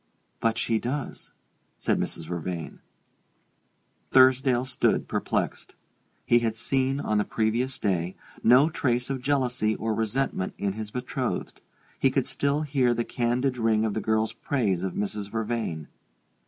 "But she does," said Mrs. Vervain. Thursdale stood perplexed. He had seen, on the previous day, no trace of jealousy or resentment in his betrothed: he could still hear the candid ring of the girl's praise of Mrs. Vervain.